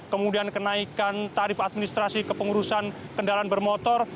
kemudian kenaikan tarif administrasi kepengurusan kendaraan bermotor